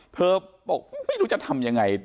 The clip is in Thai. บอกไม่รู้จะทำยังไง